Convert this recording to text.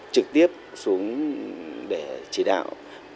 trực tiếp xuống để chỉ đạo